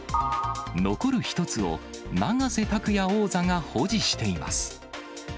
残る１つを永瀬拓矢王座が保持しています。